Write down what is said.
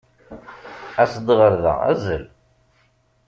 As-d ɣer da, azzel.